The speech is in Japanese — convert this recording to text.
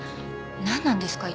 何なんですか？